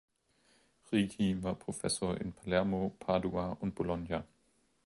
Righi war Professor in Palermo, Padua und Bologna.